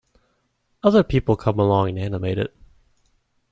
Other people come along and animate it.